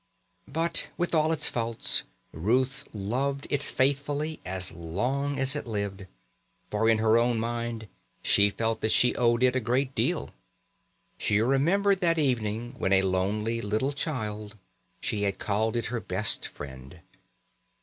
But with all its faults Ruth loved it faithfully as long as it lived, for in her own mind she felt that she owed it a great deal. She remembered that evening when, a lonely little child, she had called it her "best friend".